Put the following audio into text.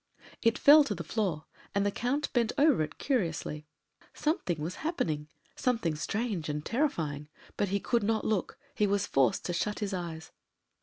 It fell to the floor and the Count bent over it curiously. Something was happening something strange and terrifying; but he could not look he was forced to shut his eyes.